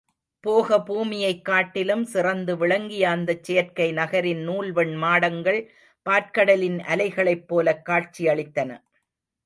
போகபூமியைக் காட்டிலும் சிறந்து விளங்கிய அந்தச் செயற்கை நகரின் நூல்வெண் மாடங்கள் பாற்கடலின் அலைகளைப் போலக் காட்சியளித்தன.